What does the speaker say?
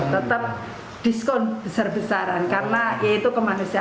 tetap diskon besar besaran karena yaitu kemanusiaan